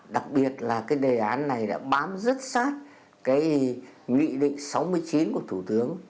đặc biệt là cái đề án này đã bám rất sát cái nghị định sáu mươi chín của thủ tướng